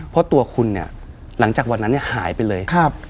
เพราะตัวคุณหลังจากวันนั้นหายไปเลย